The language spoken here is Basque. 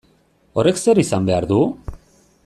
Horrek zer izan behar du?